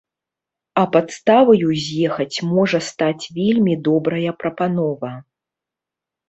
А падставаю з'ехаць можа стаць вельмі добрая прапанова.